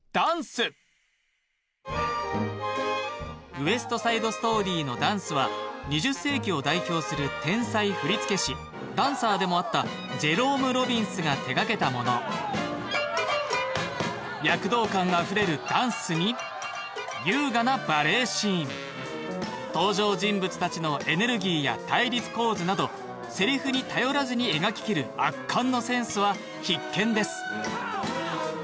「ウエスト・サイド・ストーリー」のダンスは２０世紀を代表する天才振付師ダンサーでもあったジェローム・ロビンスが手がけたもの躍動感あふれるダンスに優雅なバレエシーン登場人物たちのエネルギーや対立構図などセリフに頼らずに描ききる圧巻のセンスは必見です